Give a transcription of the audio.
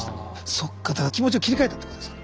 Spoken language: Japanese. そっかだから気持ちを切り替えたってことですか？